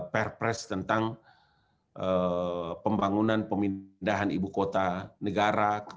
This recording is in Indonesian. perpres tentang pembangunan pemindahan ibu kota negara